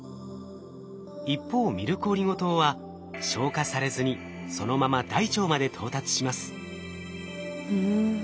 一方ミルクオリゴ糖は消化されずにそのまま大腸まで到達します。